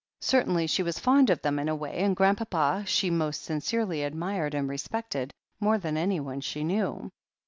Certainly she was fond of them in a way, and Grandpapa she most sincerely admired and respected, more than anyone she knew.